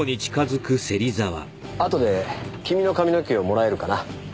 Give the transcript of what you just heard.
あとで君の髪の毛をもらえるかな？